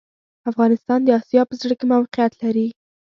افغانستان د اسیا په زړه کي موقیعت لري